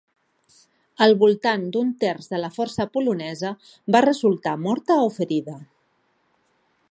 Al voltant d'un terç de la força polonesa va resultar morta o ferida.